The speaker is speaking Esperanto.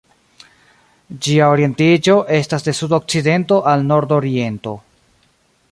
Ĝia orientiĝo estas de sudokcidento al nordoriento.